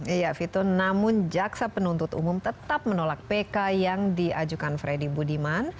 iya vito namun jaksa penuntut umum tetap menolak pk yang diajukan freddy budiman